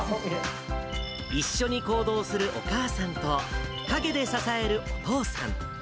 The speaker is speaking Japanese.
一緒に行動するお母さんと、陰で支えるお父さん。